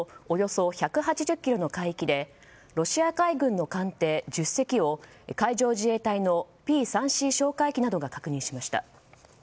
およそ１８０ｋｍの海域でロシア海軍の艦艇１０隻を海上自衛隊のＰ３Ｃ哨戒機などが確認しました。